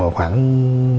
khoảng năm mươi tuổi